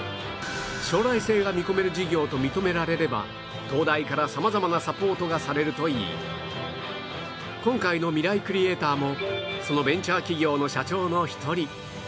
将来性が見込める事業と認められれば東大から様々なサポートがされるといい今回のミライクリエイターもそのベンチャー企業の社長の一人